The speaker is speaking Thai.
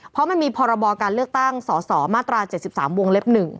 เพราะมันมีพรบการเลือกตั้งสสมาตรา๗๓วงเล็บ๑